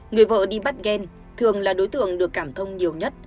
người vợ đi bắt ghen thường là đối tượng được cảm thông nhiều nhất